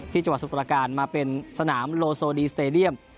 จังหวัดสมุทรประการมาเป็นสนามโลโซดีสเตดียม